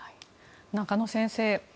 中野先生